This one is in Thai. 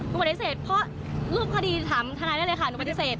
ปฏิเสธเพราะรูปคดีถามทนายได้เลยค่ะหนูปฏิเสธ